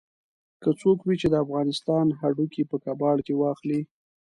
که څوک وي چې د افغانستان هډوکي په کباړ کې واخلي.